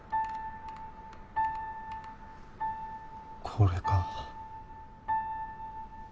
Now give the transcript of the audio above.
これか。